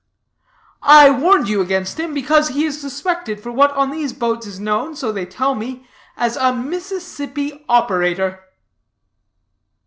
"I warned you against him because he is suspected for what on these boats is known so they tell me as a Mississippi operator."